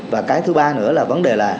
và cái thứ ba nữa là vấn đề là